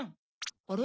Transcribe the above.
あれ？